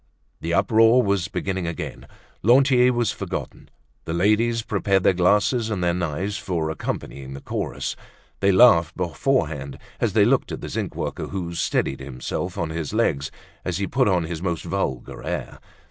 The uproar was beginning again. Lantier was forgotten. The ladies prepared their glasses and their knives for accompanying the chorus. They laughed beforehand, as they looked at the zinc worker, who steadied himself on his legs as he put on his most vulgar air.